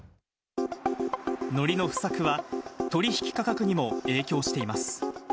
のりの不作は、取り引き価格にも影響しています。